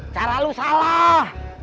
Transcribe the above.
cara lu salah